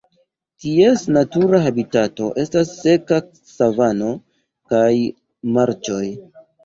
Ties natura habitato estas seka savano kaj marĉoj.